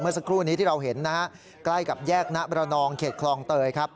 สักครู่นี้ที่เราเห็นนะฮะใกล้กับแยกณบรนองเขตคลองเตยครับ